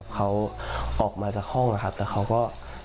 เขาออกมาจากห้องและเขาก็